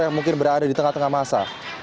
yang mungkin berada di tengah tengah masa